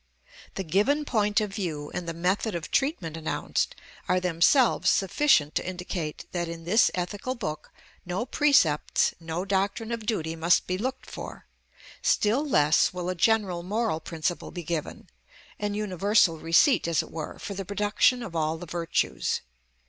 The given point of view, and the method of treatment announced, are themselves sufficient to indicate that in this ethical book no precepts, no doctrine of duty must be looked for; still less will a general moral principle be given, an universal receipt, as it were, for the production of all the virtues.